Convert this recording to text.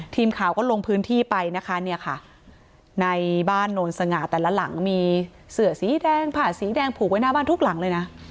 ทีมข่าวก็ลงพื้นที่ไปนะคะเนี่ยค่ะในบ้านโนนสง่าแต่ละหลังมีเสือสีแดงผ่าสีแดงผูกไว้หน้าบ้านทุกหลังเลยนะ